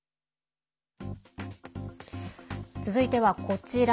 続いてはこちら。